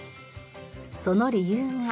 その理由が。